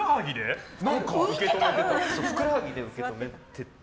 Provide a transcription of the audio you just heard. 何か、ふくらはぎで受け止めてた？